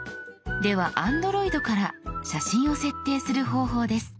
ではＡｎｄｒｏｉｄから写真を設定する方法です。